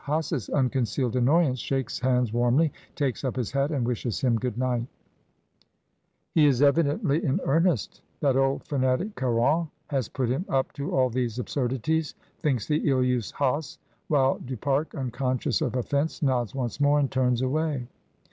Hase's unconcealed annoyance, shakes hands warmly, takes up his hat, and wishes him good night ''He is evidently in earnest That old fanatic Caron has put him up to all these absurdities," thinks the ill used Hase, while Du Pare, unconscious of offence, nods once more, and turns away.